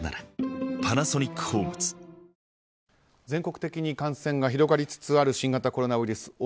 全国的に感染が広がりつつある新型コロナウイルス